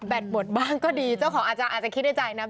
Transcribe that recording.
แบตหมดบ้างก็ดีเจ้าของอาจจะคิดในใจนะ